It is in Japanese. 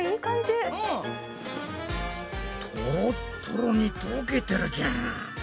とろっとろにとけてるじゃん！